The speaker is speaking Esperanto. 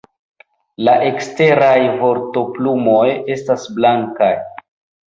La eksteraj vostoplumoj estas blankaj.